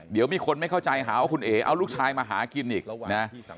เดี๋ยวมีคนไม่เข้าใจหาว่าคุณเอ๋เอาลูกชายมาหากินอีกนะ